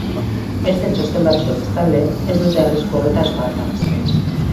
Beste txosten batzuek, bestalde, ez dute arrisku horretaz ohartarazten.